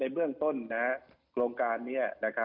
เบื้องต้นโครงการนี้